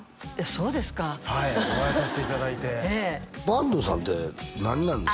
そうですかはいお会いさせていただいて坂東さんって何なんですか？